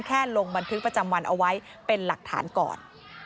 ลงบันทึกประจำวันเอาไว้เป็นหลักฐานก่อน